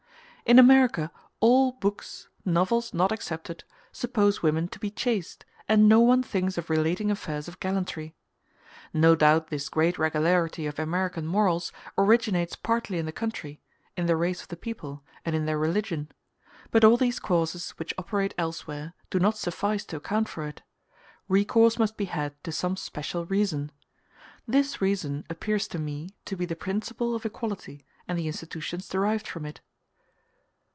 In America all books, novels not excepted, suppose women to be chaste, and no one thinks of relating affairs of gallantry. No doubt this great regularity of American morals originates partly in the country, in the race of the people, and in their religion: but all these causes, which operate elsewhere, do not suffice to account for it; recourse must be had to some special reason. This reason appears to me to be the principle of equality and the institutions derived from it.